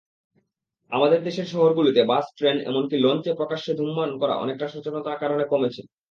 আমাদের দেশের শহরগুলোতে বাস-ট্রেন, এমনকি লঞ্চে প্রকাশ্যে ধূমপান করা অনেকটা সচেতনতার কারণে কমেছে।